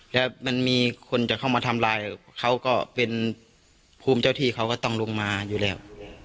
แล้วมันมีคนจะเข้ามาทำลายเขาก็เป็นภูมิเจ้าที่เขาก็ต้องลงมาอยู่แล้ว